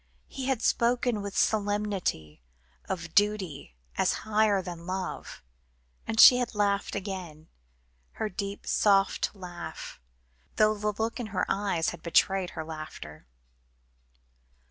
He had spoken with solemnity, of duty, as higher than love; and she had laughed again, her deep soft laugh, though the look in her eyes had belied her laughter.